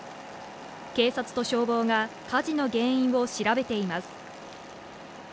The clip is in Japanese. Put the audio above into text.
警察と消防が火事の原因を調べています。